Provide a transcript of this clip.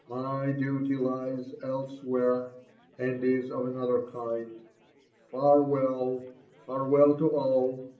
My duly lies elsewhere, and Is of an other kind. Farewell 1— farewell to all.